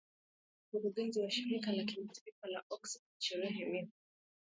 mkurugenzi wa shirika la kimataifa la oxfam shere miho